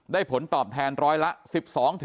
ได้ผลตอบแทนร้อยละ๑๒๑๕บาท